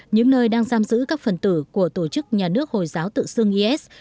những nơi đang giam giữ các phần tử của tổ chức nhà nước hồi giáo tự xưng is